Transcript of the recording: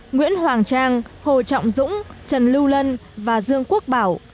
nguyễn hoàng trang hồ trọng dũng trần lưu lân và dương quốc bảo